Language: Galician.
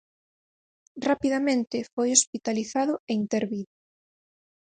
Rapidamente foi hospitalizado e intervido.